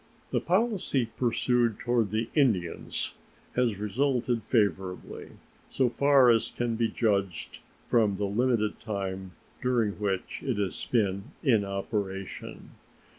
The policy pursued toward the Indians has resulted favorably, so far as can be judged from the limited time during which it has been in operation.